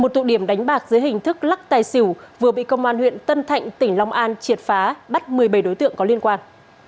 một tụ điểm đánh bạc dưới hình thức lắc tài xỉu vừa bị công an huyện tân thạnh tỉnh long an triệt phá bắt một mươi bảy đối tượng có liên quan